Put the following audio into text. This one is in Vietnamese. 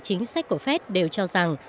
chính sách của fed đều cho rằng